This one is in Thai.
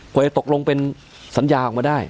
กว่าจะตกลงเป็นสัญญาออกมาได้